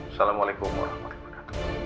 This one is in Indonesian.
assalamualaikum warahmatullahi wabarakatuh